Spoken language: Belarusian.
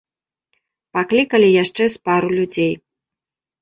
Паклікалі яшчэ з пару людзей.